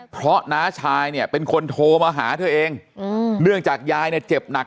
เพราะน้าชายเนี่ยเป็นคนโทรมาหาเธอเองเนื่องจากยายเนี่ยเจ็บหนัก